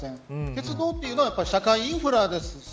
鉄道というのは社会インフラです。